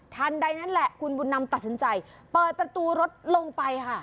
ใดนั่นแหละคุณบุญนำตัดสินใจเปิดประตูรถลงไปค่ะ